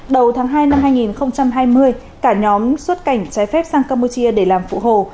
đầu tháng hai năm hai nghìn hai mươi cả nhóm xuất cảnh trái phép sang campuchia để làm phụ hồ